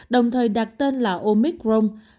đồng thời đặt tên là omicron